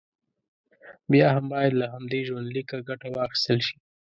بیا هم باید له همدې ژوندلیکه ګټه واخیستل شي.